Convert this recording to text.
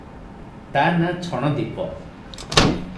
ତା ନାମ ଛଣଦ୍ୱୀପ ।